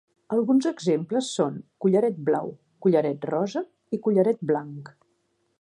Alguns exemples són "collaret blau", "collaret rosa" i "collaret blanc".